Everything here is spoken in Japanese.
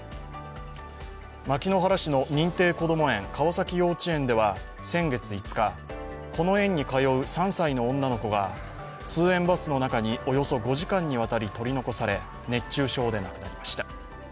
牧之原市の認定こども園川崎幼稚園では先月５日、この園に通う３歳の女の子が通園バスの中におよそ５時間にわたり取り残され、熱中症で亡くなりました。